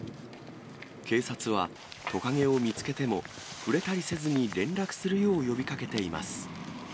警察は、トカゲを見つけても触れたりせずに連絡するよう呼びかけています。